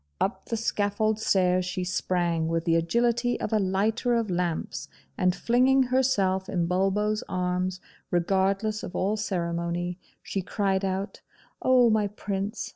Up the scaffold stairs she sprang, with the agility of a lighter of lamps; and flinging herself in Bulbo's arms, regardless of all ceremony, she cried out, 'Oh, my Prince!